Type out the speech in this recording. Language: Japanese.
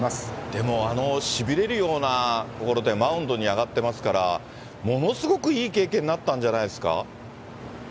でも、あのしびれるようなところでマウンドに上がってますから、ものすごくいい経験になったんじゃないんですか。